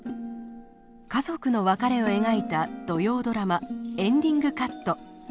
家族の別れを描いた土曜ドラマ「エンディングカット」。